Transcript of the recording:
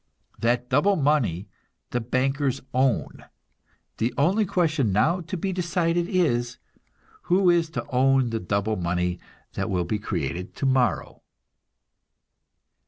That double money the bankers own; the only question now to be decided is, who is to own the double money that will be created tomorrow?